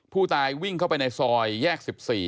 ผู้ตายวิ่งเข้าไปในซอยแยก๑๔